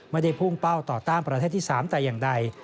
ไม่ได้พุ่งเป้าต่อต้านประเทศที่๓แต่อย่างใด